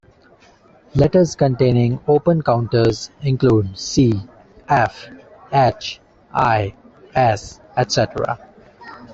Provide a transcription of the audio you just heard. Letters containing open counters include c, f, h, i, s etc.